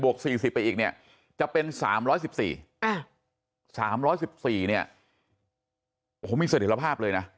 ๔๐ไปอีกเนี่ยจะเป็น๓๑๔๓๑๔เนี่ยโอ้โหมีเสถียรภาพเลยนะ